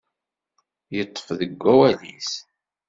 Yeṭṭef deg wawal-is.